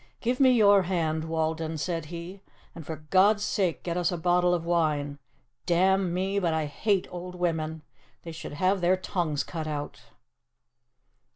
"Give me your hand, Walden," said he, "and for God's sake get us a bottle of wine. Damn me, but I hate old women! They should have their tongues cut out."